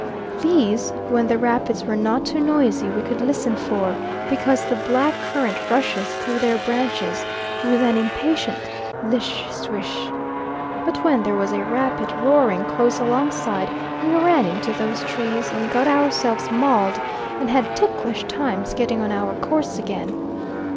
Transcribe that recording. These, when the rapids were not too noisy, we could listen for, because the black current rushes through their branches with an impatient "lish, swish"; but when there was a rapid roaring close alongside we ran into those trees, and got ourselves mauled, and had ticklish times getting on our course again.